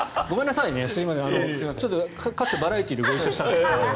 かつてバラエティーでご一緒したので。